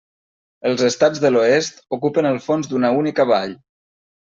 Els estats de l'Oest ocupen el fons d'una única vall.